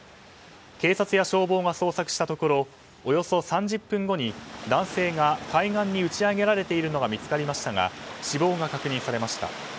警察や消防が捜索したところおよそ３０分後に男性が海岸に打ち上げられているのが見つかりましたが死亡が確認されました。